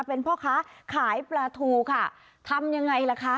เป็นพ่อค้าขายปลาทูค่ะทำยังไงล่ะคะ